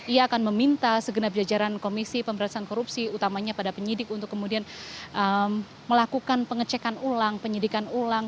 ia akan meminta segenap jajaran komisi pemberantasan korupsi utamanya pada penyidik untuk kemudian melakukan pengecekan ulang penyidikan ulang